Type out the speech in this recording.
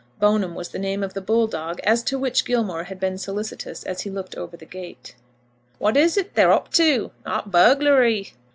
Bone'm was the name of the bull dog as to which Gilmore had been solicitous as he looked over the gate. "What is't t'ey're up to? Not bugglary?"